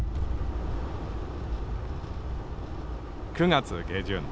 ９月下旬。